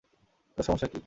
তোর সমস্যা কী?